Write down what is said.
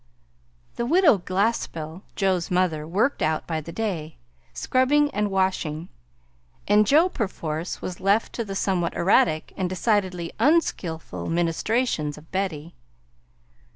The Widow Glaspell, Joe's mother, worked out by the day, scrubbing and washing; and Joe, perforce, was left to the somewhat erratic and decidedly unskillful ministrations of Betty.